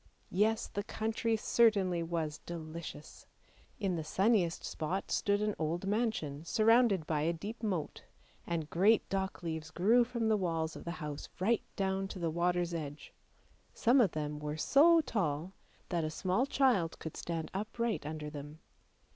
Yes, the country certainly was delicious. In the sunniest spot stood an old mansion surrounded by a deep moat, and great dock leaves grew from the walls of the house right down to the water's edge; some of them were so tall that a small child could stand upright under them.